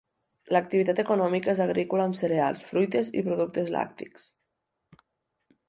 L'activitat econòmica és agrícola amb cereals, fruites i productes lactis.